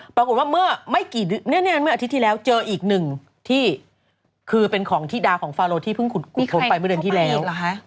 ปรากฏว่าเมื่อไม่กี่เมื่ออาทิตย์ที่แล้วเจออีกหนึ่งที่คือเป็นของธิดาของฟาโลที่เพิ่งขุดไปเมื่อเดือนที่แล้ว